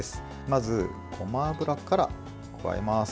まず、ごま油から加えます。